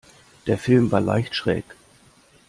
Der Film war leicht schräg.